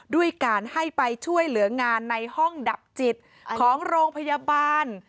ด้วยการให้ไปช่วยเหลืองานในห้องดับจิตของโรงพยาบาล